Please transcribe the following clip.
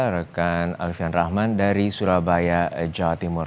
rekan alfian rahman dari surabaya jawa timur